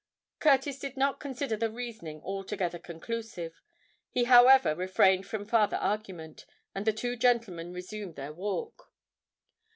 Curtis did not consider the reasoning altogether conclusive: he however refrained from farther argument;—and the two gentlemen resumed their walk.